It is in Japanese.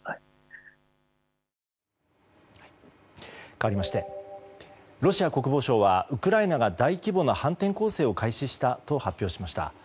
かわりましてロシア国防省はウクライナが大規模な反転攻勢を開始したと発表しました。